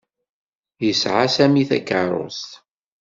Yesɛa Sami takeṛṛust.